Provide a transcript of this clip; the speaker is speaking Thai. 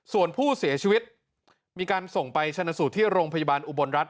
ส่วนผู้เสียชีวิตมีการส่งไปชนะสูตรที่โรงพยาบาลอุบลรัฐ